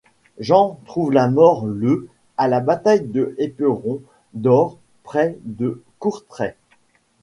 Jean trouve la mort le à la bataille des Éperons d'or près de Courtrai.